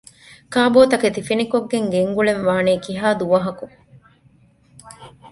ކާބޯތަކެތި ފިނިކޮށްގެން ގެންގުޅެން ވާނީ ކިހާ ދުވަހަކު؟